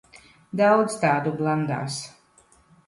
Daudz tādu blandās.